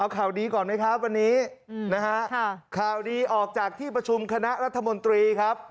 ข่าวดีก่อนมั้ยวันนี้ข่าวดีออกจากที่ประชุมคณะรัฐมนตรี